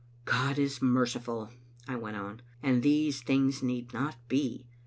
iM " God is merciful/' I went on, " and these things need not be.